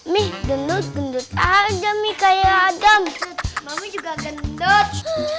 mieh gendut gendut ada mikael adam mami juga gendut